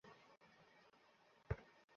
আধাফুঠ উঁচুতে উঠে গেছে যেন মাঠ।